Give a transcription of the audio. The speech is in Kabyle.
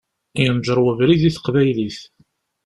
Yenǧer webrid i teqbaylit.